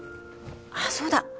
あっそうだ！